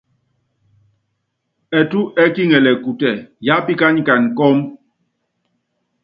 Ɛtú ɛ́kiŋɛlɛ kutɛ, yápíkanyikana kɔ́mú.